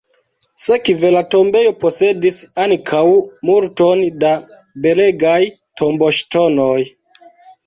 Sekve la tombejo posedis ankaŭ multon da belegaj tomboŝtonoj.